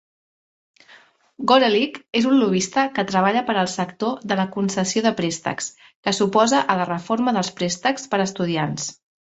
Gorelick és un lobbista que treballa per al sector de la concessió de préstecs, que s'oposa a la reforma dels préstecs per a estudiants.